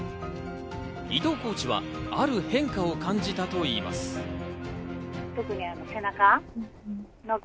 伊藤コーチはある変化を感じたといいます。